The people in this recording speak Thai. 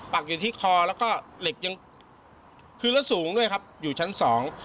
ปักอยู่ที่คอแล้วก็เหล็กยังคือแล้วสูงด้วยครับอยู่ชั้นสอง